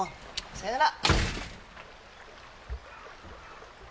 さよなら！